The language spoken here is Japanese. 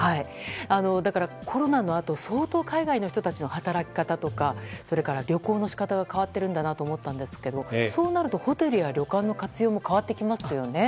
だから、コロナのあと相当、海外の方たちの働き方とかそれから旅行の仕方が変わっているんだなと思ったんですがそうなるとホテルや旅館の活用も変わってきますよね。